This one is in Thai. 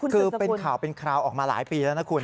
คือเป็นข่าวเป็นคราวออกมาหลายปีแล้วนะคุณ